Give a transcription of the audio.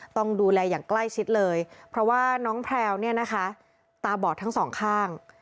ต้องดูแลอย่างใกล้ชิดเลยเพราะว่าน้องแพลวเนี่ยนะคะตาบอดทั้งสองข้าง